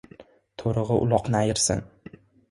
to‘rig‘i uloqni ayirsin.